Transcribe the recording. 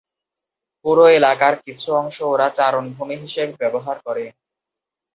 পুরো এলাকার কিছু অংশ ওরা চারণভূমি হিসেবে ব্যবহার করে।